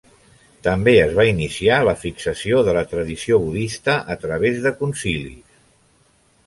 També es va iniciar la fixació de la tradició budista a través de concilis.